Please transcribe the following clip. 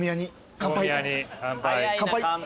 乾杯。